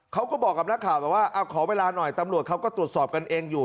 เขาก็บอกกับนักข่าวแต่ว่าขอเวลาหน่อยตำรวจเขาก็ตรวจสอบกันเองอยู่